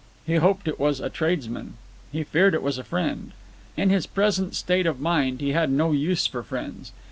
He hoped it was a tradesman; he feared it was a friend. In his present state of mind he had no use for friends.